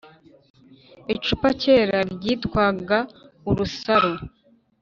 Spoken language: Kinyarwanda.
Icupa kera ryitwaga urusaro